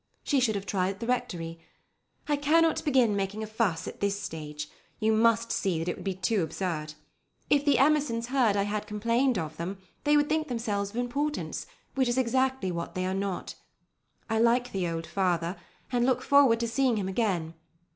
She should have tried at the Rectory. I cannot begin making a fuss at this stage. You must see that it would be too absurd. If the Emersons heard I had complained of them, they would think themselves of importance, which is exactly what they are not. I like the old father, and look forward to seeing him again.